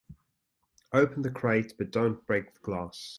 Open the crate but don't break the glass.